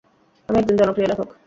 আমি একজন জনপ্রিয় লেখক।